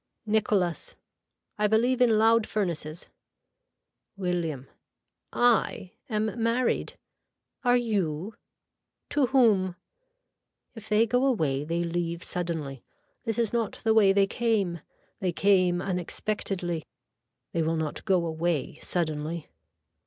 (Nicholas.) I believe in loud furnaces. (William.) I am married. Are you. To whom. If they go away they leave suddenly. This is not the way they came. They came unexpectedly. They will not go away suddenly.